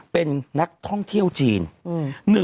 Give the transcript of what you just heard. เป็นนักท่องเที่ยวจีน